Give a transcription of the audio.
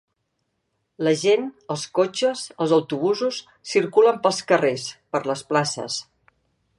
La gent, els cotxes, els autobusos, circulen pels carrers, per les places.